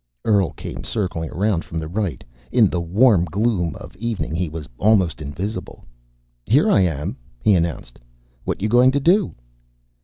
Earl came circling around from the right. In the warm gloom of evening he was almost invisible. "Here I am," he announced. "What you going to do?"